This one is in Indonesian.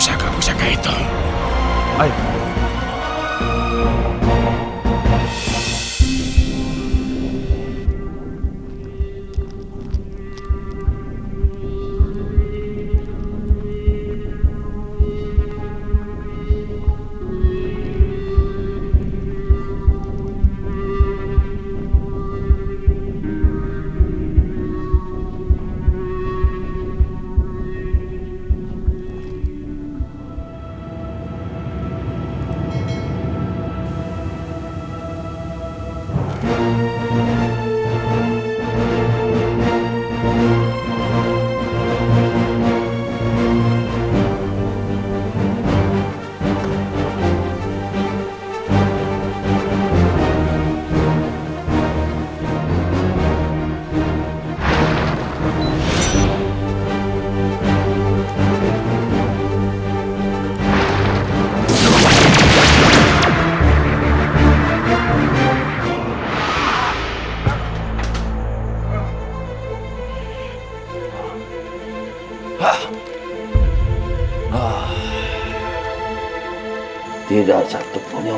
jangan lupa like share dan subscribe ya